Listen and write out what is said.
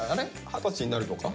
二十歳になるとか？